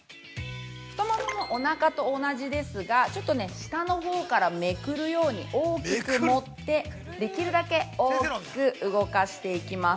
◆太もももおなかと同じですが下のほうからめくるように大きく持ってできるだけ大きく動かしていきます。